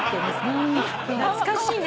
懐かしいね。